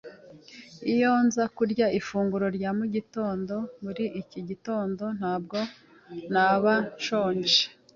Iyo nza kurya ifunguro rya mugitondo muri iki gitondo, ntabwo naba nshonje.